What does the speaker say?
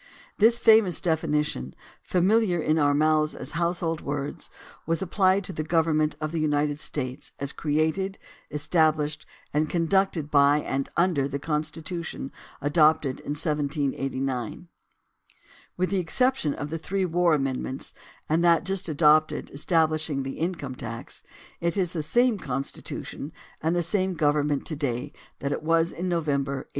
This famous definition, familiar in our mouths as household words, was applied to the government of the United States as created, estab lished, and conducted by and under the Constitution adopted in 1789. With the exception of the three war amendments, and that just adopted establishing the income tax, it is the same Constitution and the same government to day that it was in November, 1863.